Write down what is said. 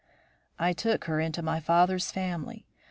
"I took her into my father's family.